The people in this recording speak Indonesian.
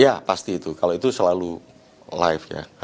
iya pasti itu kalau itu selalu live ya